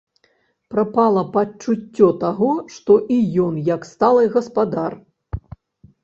Прапала пачуццё таго, што і ён як сталы гаспадар.